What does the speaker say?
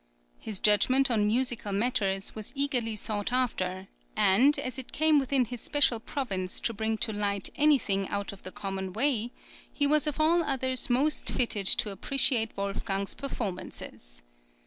His judgment on musical matters was eagerly sought after, and, as it came within his special province to bring to light anything out of the common way, he was of all others most fitted to appreciate Wolfgang's performances.